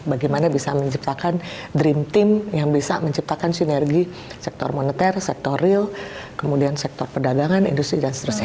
bagaimana bisa menciptakan dream team yang bisa menciptakan sinergi sektor moneter sektor real kemudian sektor perdagangan industri dan seterusnya